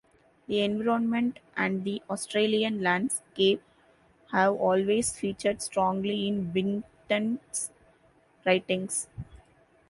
The environment and the Australian landscape have always featured strongly in Wintons writings.